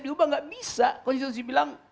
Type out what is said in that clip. diubah nggak bisa konstitusi bilang